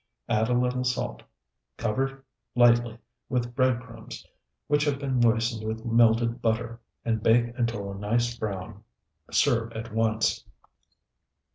Add a little salt. Cover lightly with bread crumbs, which have been moistened with melted butter, and bake until a nice brown. Serve at once.